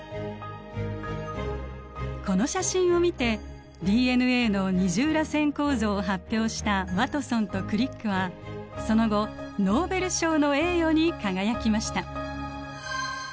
この写真を見てＤＮＡの二重らせん構造を発表したワトソンとクリックはその後ノーベル賞の栄誉に輝きました。